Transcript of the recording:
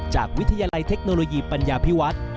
จากวิทยาลัยเทคโนโลยีปัญญาพิวัฒน์